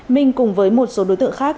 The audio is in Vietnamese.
minh cùng với một số đối tượng khác